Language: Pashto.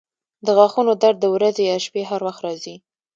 د غاښونو درد د ورځې یا شپې هر وخت راځي.